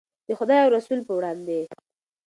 د خدای او رسول په وړاندې.